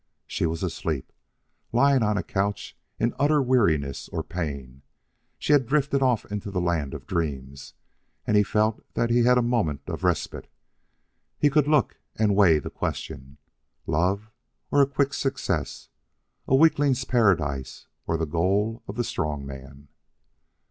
She was asleep. Lying on a couch in utter weariness or pain, she had drifted off into the land of dreams, and he felt that he had a moment of respite. He could look and weigh the question: Love or a quick success? A weakling's paradise or the goal of the strong man?